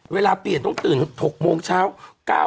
เวลาเปลี่ยนต้องตื่น๖โมงเช้า